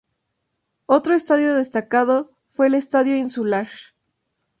Otro estadio destacado fue el Estadio Insular.